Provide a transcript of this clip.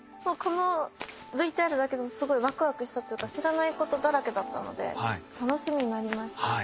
もうこのＶＴＲだけでもすごいワクワクしたっていうか知らないことだらけだったので楽しみになりました。